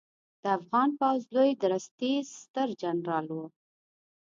د افغان پوځ لوی درستیز سترجنرال و